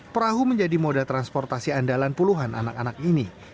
perahu menjadi moda transportasi andalan puluhan anak anak ini